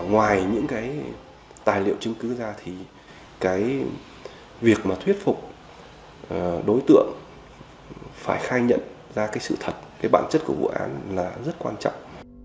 ngoài những cái tài liệu chứng cứ ra thì cái việc mà thuyết phục đối tượng phải khai nhận ra cái sự thật cái bản chất của vụ án là rất quan trọng